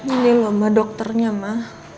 ini lho mbak dokternya ma